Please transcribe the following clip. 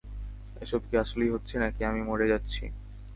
এসব কি আসলেই হচ্ছে, নাকি আমি মরে যাচ্ছি?